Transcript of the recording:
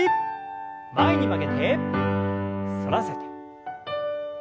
前に曲げて反らせて。